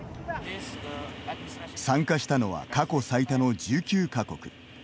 参加したのは過去最多の１９か国。